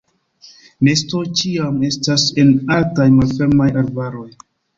Nestoj ĉiam estas en altaj malfermaj arbaroj.